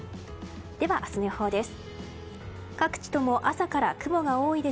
では、明日の予報です。